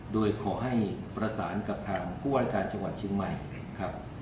โดยขอให้ประสานกับผู้วาลการชเชียงไม่